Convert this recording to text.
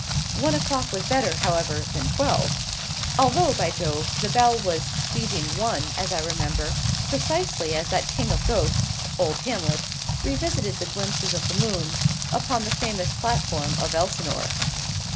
One o'clock was better, however, than twelve. Although, by Jove! the bell was 'beating one,' as I remember, precisely as that king of ghosts, old Hamlet, revisited the glimpses of the moon, upon the famous platform of Elsinore.